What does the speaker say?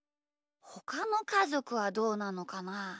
ほかのかぞくはどうなのかな？